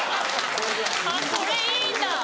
あっそれいいんだ。